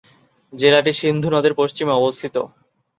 জেলাটি সিন্ধু নদের পশ্চিমে অবস্থিত।